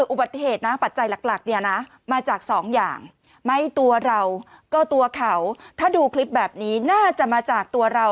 อุบัติเหตุนะปัจจัยหลักเนี่ยนะมาจากสองอย่างไม่ตัวเราก็ตัวเขาถ้าดูคลิปแบบนี้น่าจะมาจากตัวเรา